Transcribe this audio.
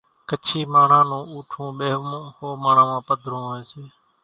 ڪڇِي ماڻۿان نون اوٺوون ٻيۿوون ۿو ماڻۿان پڌرون هوئيَ سي۔